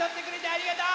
ありがとう！